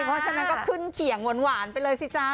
เพราะฉะนั้นก็ขึ้นเขียงหวานไปเลยสิจ๊ะ